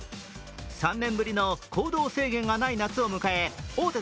３年ぶりの行動制限がない夏を迎え大手